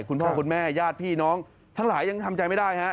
คุณพ่อคุณแม่ญาติพี่น้องทั้งหลายยังทำใจไม่ได้ฮะ